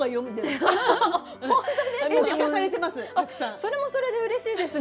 それもそれでうれしいですね。